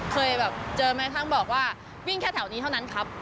เคยแบบเจอแม้ทั้งบอกว่าวิ่งแค่แถวนี้เท่านั้นครับ